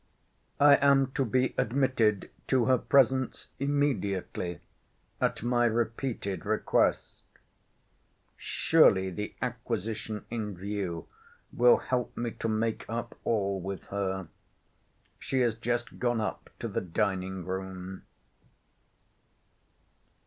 I am to be admitted to her presence immediately, at my repeated request. Surely the acquisition in view will help me to make up all with her. She is just gone up to the dining room.